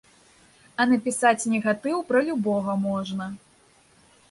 А напісаць негатыў пра любога можна.